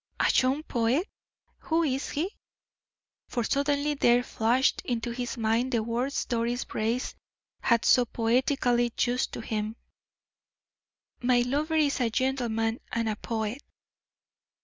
"A young poet? who is he?" for suddenly there flashed into his mind the words Doris Brace had so poetically used to him: "My lover is a gentleman and a poet."